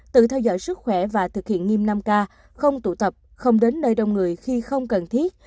tự theo dõi sức khỏe và thực hiện nghiêm năm k không tụ tập không đến nơi đông người khi không cần thiết